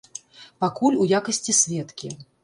Пакуль у якасці сведкі.